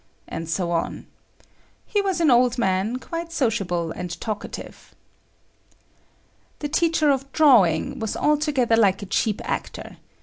—and so on. He was an old man, quite sociable and talkative. The teacher of drawing was altogether like a cheap actor.